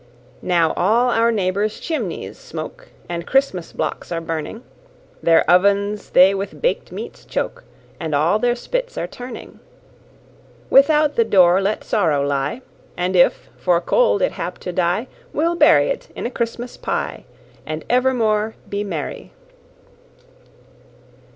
Now all our neighbours' chimneys smoke, And Christmas blocks are burning; Their ovens they with bak't meats choke, And all their spits are turning. Without the door let sorrow lie, And if, for cold, it hap to die, We'll bury't in a Christmas pye, And evermore be merry.